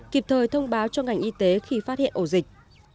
kịp thời thông báo cho ngành y tế khi phát hiện ổ dịch